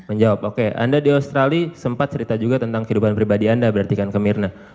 menjawab oke anda di australia sempat cerita juga tentang kehidupan pribadi anda berarti kan ke mirna